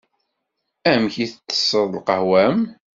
Amek i tsesseḍ lqahwa-m?